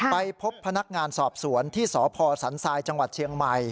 ไปพบพนักงานสอบสวนที่สพสันทรายจังหวัดเชียงใหม่